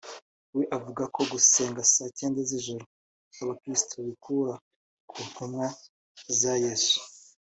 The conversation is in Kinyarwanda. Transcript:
we avuga ko gusenga saa cyenda z’ijoro abakirisito babikura ku ntumwa za Yesu